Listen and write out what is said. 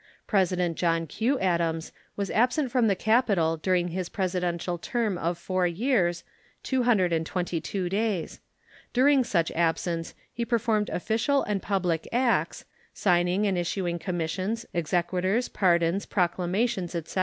President John Q. Adams was absent from the capital during his Presidential term of four years two hundred and twenty two days. During such absence he performed official and public acts, signing and issuing commissions, exequaturs, pardons, proclamations, etc.